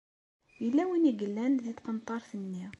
Yella win i yellan di tqenṭaṛt-nni.